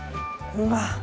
うわっ！